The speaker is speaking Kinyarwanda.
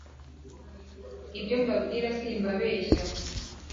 Ibyo mbabwira simbabeshya